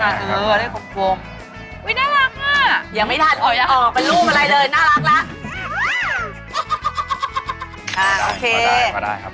อุ๊ยน่ารักน่ะยังไม่ทันอ๋อเป็นรูปอะไรเลยน่ารักแล้ว